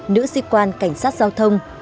nữ sĩ quan cảnh sát giao thông